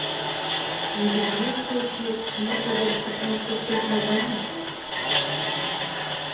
Незразумела толькі, чаму трэба распачынаць сусветную вайну для гэтага.